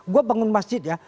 gue bangun masjid ya